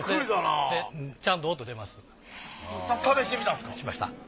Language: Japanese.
しました。